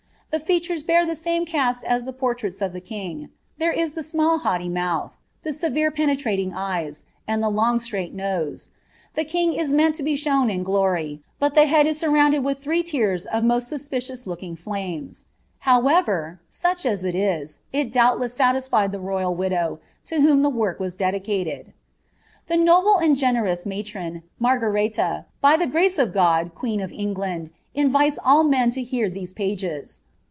The features bear the same cast as the portraits of llie king ', tbrre is the small haughty mouth; the severe penetrating eyes, and the long straight nose ; the king is meant to be shown in glory, but the head H sorrouiided with three tiers of most suspicious looking flames. Mow CTCT. such as it is. it doubtless satisfied the royal widow, to whom the »ofk was dedicated. " The noble and generous matron, Margareia, by the gmcir of God, queen of England, invites all men to hear these pages."